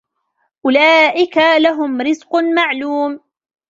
أُولَئِكَ لَهُمْ رِزْقٌ مَعْلُومٌ